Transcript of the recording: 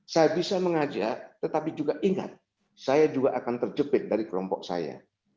saya bisa mengajak tetapi juga ingat saya juga akan terjepit dari kelompok saya